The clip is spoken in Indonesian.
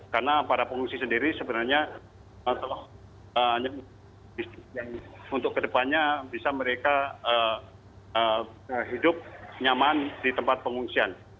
karena para pengungsi sendiri sebenarnya untuk ke depannya bisa mereka hidup nyaman di tempat pengungsian